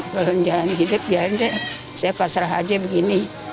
kalau jangan hidup biar saya pasrah aja begini